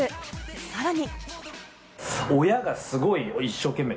さらに。